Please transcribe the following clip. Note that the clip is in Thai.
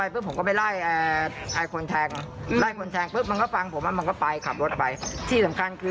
ปกติพี่ก็รู้จักกับมือแทงด้วย